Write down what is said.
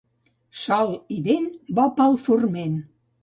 Sol i vent, bo per al forment.